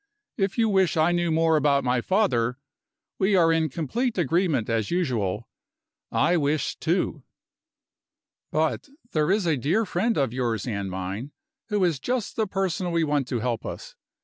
If you wish I knew more about my father, we are in complete agreement as usual I wish, too. But there is a dear friend of yours and mine, who is just the person we want to help us.